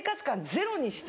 ゼロにして。